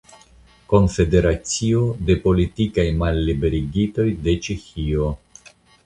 Konfederacio de politikaj malliberigitoj de Ĉeĥio.